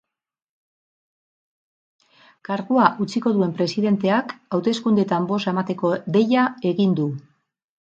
Kargua utziko duen presidenteak hauteskundeetan boza emateko deia egin du.